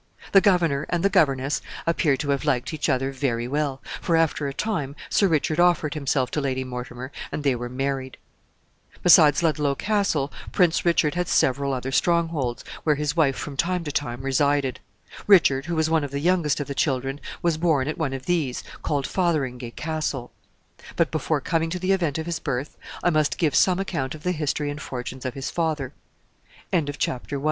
The governor and the governess appear to have liked each other very well, for after a time Sir Richard offered himself to Lady Mortimer, and they were married. Besides Ludlow Castle, Prince Richard had several other strongholds, where his wife from time to time resided. Richard, who was one of the youngest of the children, was born at one of these, called Fotheringay Castle; but, before coming to the event of his birth, I must give some account of the history and fortunes of his father. CHAPTER II.